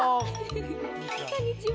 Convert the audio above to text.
こんにちは！